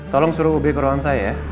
tolong suruh ub ke ruang saya ya